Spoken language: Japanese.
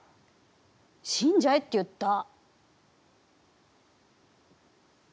死んじゃえって言った。